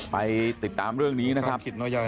ไปติดตามเรื่องนี้นะครับ